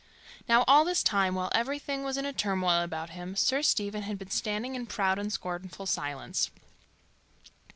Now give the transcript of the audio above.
Now all this time, while everything was in turmoil about him, Sir Stephen had been standing in proud and scornful silence.